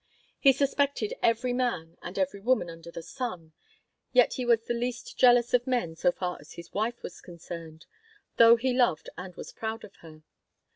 He suspected every man and every woman under the sun, yet he was the least jealous of men so far as his wife was concerned, though he loved and was proud of her.